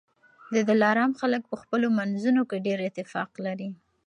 د دلارام خلک په خپلو منځونو کي ډېر اتفاق لري